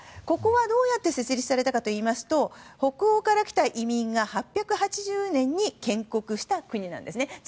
ここはどう設立されたかというと北欧から来た移民が８８０年に建国した国なんですね。